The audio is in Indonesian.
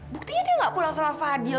buktinya dia nggak pulang sama fadil